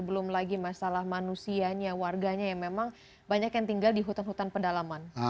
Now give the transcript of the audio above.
belum lagi masalah manusianya warganya yang memang banyak yang tinggal di hutan hutan pedalaman